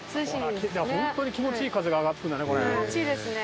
ホントに気持ちいい風が上がってくるんだねこれ。